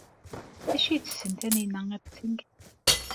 D acu ay tessen Taninna ad t-teg?